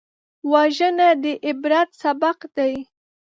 وژنه د عبرت سبق دی